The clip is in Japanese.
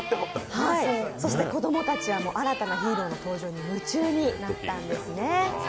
そして子供たちは新たなヒーローの登場に夢中になったんですね。